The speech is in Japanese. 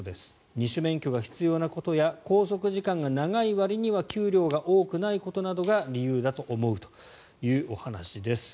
二種免許が必要なことや拘束時間が長いわりには給料が多くないことなどが理由だと思うというお話です。